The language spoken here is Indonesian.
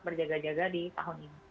berjaga jaga di tahun ini